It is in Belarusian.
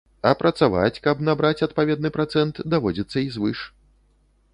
А працаваць, каб набраць адпаведны працэнт, даводзіцца і звыш.